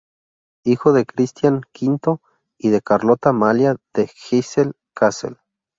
Hijo de Cristián V y de Carlota Amalia de Hesse-Kassel.